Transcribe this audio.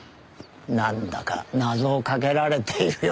なんだか謎をかけられているようですな。